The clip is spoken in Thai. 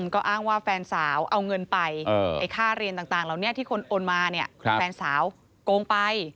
ก็อ้างว่าแฟนสาวเอาเงินไปไอ้ค่าเรียนต่างเหล่านี้ที่คนโอนมาเนี่ยแฟนสาวโกงไป